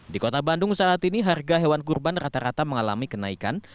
di kota bandung saat ini harga hewan kurban rata rata mengalami kenaikan